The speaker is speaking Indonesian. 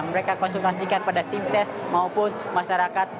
mereka konsultasikan pada tim ses maupun masyarakat